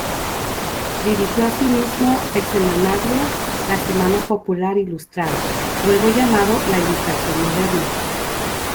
Dirigió asimismo el semanario "La Semana Popular Ilustrada", luego llamado "La Ilustración Moderna.